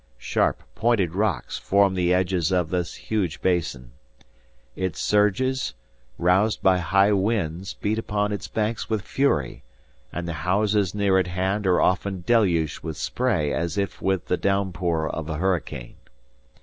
Sharp, pointed rocks form the edges of this huge basin. Its surges, roused by high winds, beat upon its banks with fury, and the houses near at hand are often deluged with spray as if with the downpour of a hurricane.